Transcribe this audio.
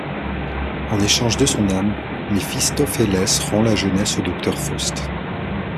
En échange de son âme, Méphistophélès rend la jeunesse au docteur Faust.